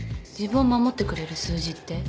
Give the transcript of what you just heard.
自分を守ってくれる数字って？